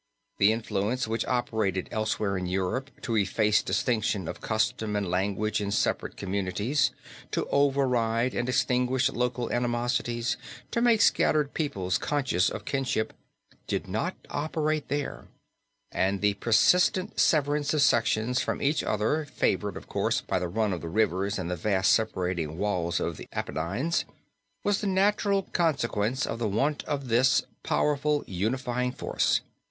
The influence which operated elsewhere in Europe to efface distinction of custom and language in separate communities, to override and extinguish local animosities, to make scattered peoples conscious of kinship, did not operate there; and the persistent severance of sections from each other, favored, of course, by the run of the rivers and the vast separating walls of the Apenines, was the natural consequence of the want of this powerful unifying force."